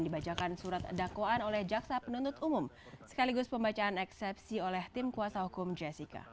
dibacakan surat dakwaan oleh jaksa penuntut umum sekaligus pembacaan eksepsi oleh tim kuasa hukum jessica